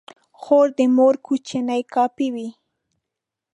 خور د مور کوچنۍ کاپي وي.